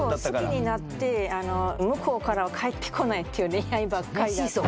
好きになって向こうからは返ってこないという恋愛ばっかりだった。